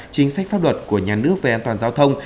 chính sách pháp luật của nhà nước về an toàn giao thông